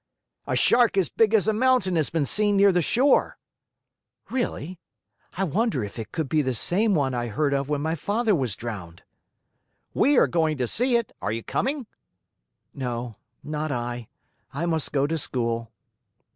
"A Shark as big as a mountain has been seen near the shore." "Really? I wonder if it could be the same one I heard of when my father was drowned?" "We are going to see it. Are you coming?" "No, not I. I must go to school."